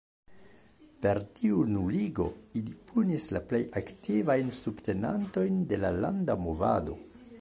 Per tiu nuligo, ili punis la plej aktivajn subtenantojn de la landa movado.